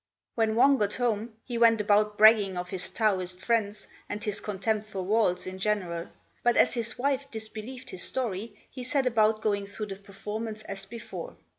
When Wang got home, he went about bragging of his Taoist friends and his contempt for walls in general; but as his wife disbelieved his story, he set about going through the performance as before.